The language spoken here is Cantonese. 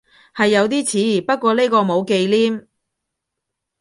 係有啲似，不過呢個冇忌廉